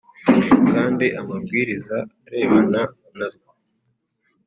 kandi amabwiriza arebana na rwo